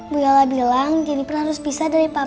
bu yola bilang jeniper harus pisah dari papa